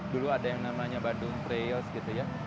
dulu ada yang namanya bandung trails gitu ya